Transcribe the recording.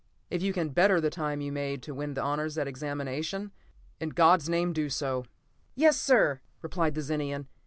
If you can better the time you made to win the honors at the Examination in God's name, do so!" "Yes, sir!" replied the Zenian.